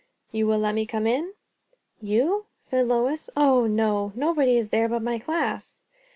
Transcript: "You will let me come in?" "You?" said Lois. "O no! Nobody is there but my class."